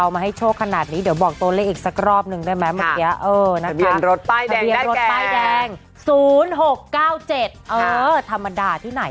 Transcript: ปลาดเตรียมตัวรอไว้